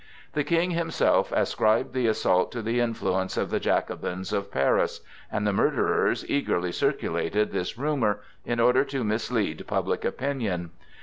The King himself ascribed the assault to the influence of the Jacobins of Paris, and the murderers eagerly circulated this rumor, in order to mislead public opinion.